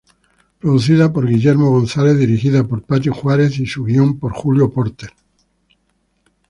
Producida por Guillermo González, dirigida por Paty Juárez y su guion por Julio Porter.